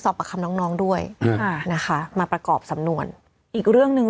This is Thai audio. ประคัมน้องน้องด้วยอ่านะคะมาประกอบสำนวนอีกเรื่องหนึ่ง